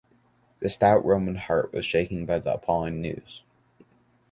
The stout Roman heart was shaken by the appalling news.